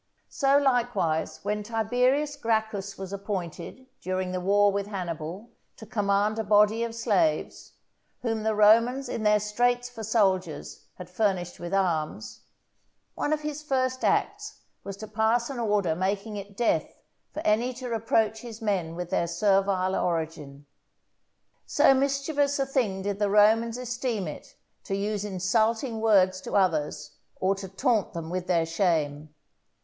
So likewise, when Tiberius Gracchus was appointed, during the war with Hannibal, to command a body of slaves, whom the Romans in their straits for soldiers had furnished with arms, one of his first acts was to pass an order making it death for any to reproach his men with their servile origin. So mischievous a thing did the Romans esteem it to use insulting words to others, or to taunt them with their shame.